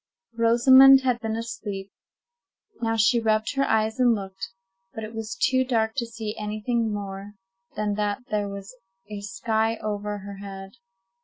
Rosamond had been asleep. Now she rubbed her eyes and looked, but it was too dark to see any thing more than that there was a sky over her head.